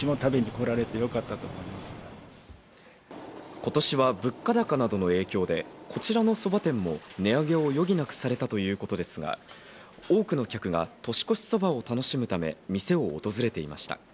今年は物価高などの影響で、こちらのそば店も値上げを余儀なくされたということですが、多くの客が年越しそばを楽しむため店を訪れていました。